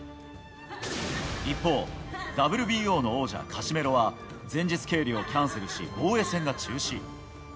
一方、ＷＢＯの王者カシメロは前日計量をキャンセルし防衛戦が中止。